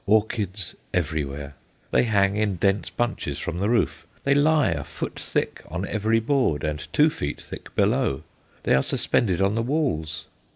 Orchids everywhere! They hang in dense bunches from the roof. They lie a foot thick upon every board, and two feet thick below. They are suspended on the walls.